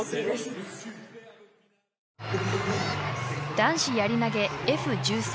男子やり投げＦ１３